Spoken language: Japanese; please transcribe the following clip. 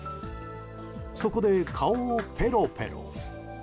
そこで、顔をペロペロ。